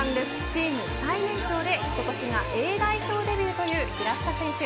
チーム最年少で今年がＡ代表デビューという平下選手。